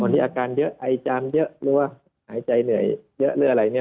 นี่อาการเยอะไอจามเยอะหรือว่าหายใจเหนื่อยเยอะหรืออะไรเนี่ย